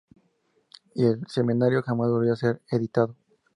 Y el semanario jamás volvió a ser editado.